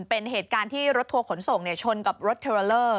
เป็นเหตุการณ์ที่รถทัวร์ขนส่งชนกับรถเทรลเลอร์